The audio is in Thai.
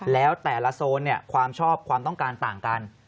แล้วแต่ละโซนความชอบความต้องการต่างกัน